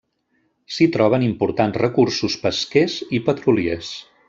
S'hi troben importants recursos pesquers i petroliers.